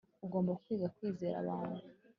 ugomba kwiga kwizera abantu